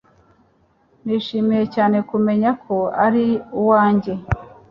Nishimiye cyane kumenya ko ari uwanjye